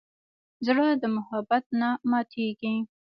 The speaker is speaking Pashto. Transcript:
زړه د محبت نه ماتېږي.